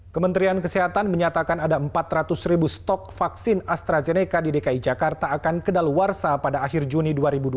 kementerian kesehatan menyatakan ada empat ratus ribu stok vaksin astrazeneca di dki jakarta akan kedaluarsa pada akhir juni dua ribu dua puluh